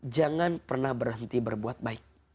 jangan pernah berhenti berbuat baik